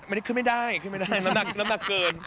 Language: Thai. ไม่ได้ขึ้นไม่ได้ขึ้นไม่ได้น้ำหนักเกิน